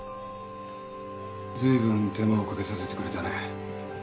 ずいぶん手間をかけさせてくれたね。